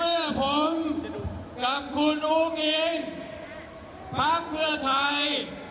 เมื่อผมกับคุณอุ้งอิงพักเพื่อไทย